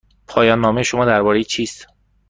پایان نامه شما درباره چیست؟